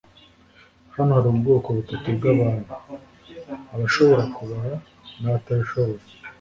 Hano hari ubwoko butatu bwabantu: abashobora kubara, nabatabishoboye.